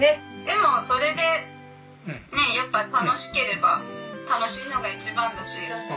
「でもそれでねやっぱ楽しければ楽しいのが一番だし」